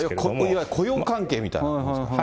いわゆる雇用関係みたいな話ですか。